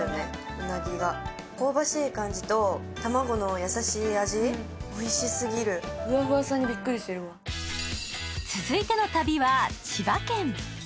うなぎが香ばしい感じと卵の優しい味おいしすぎるふわふわさにびっくりしてるわ続いての旅は千葉県